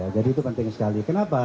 jadi itu penting sekali kenapa